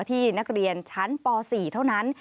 ที่นักเรียนชั้นป๔เท่านั้น